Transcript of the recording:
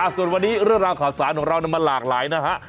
ส่วนวันนี้เรื่องราวข่าวสารของเรามันหลากหลายนะฮะ